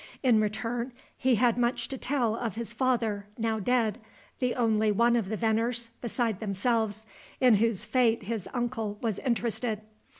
In return, he had much to tell of his father, now dead, the only one of the Venners, beside themselves, in whose fate his uncle was interested.